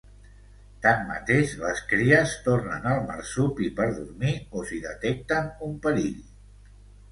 Tanmateix, les cries tornen al marsupi per dormir o si detecten un perill.